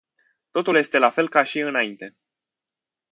Totul este la fel ca și înainte.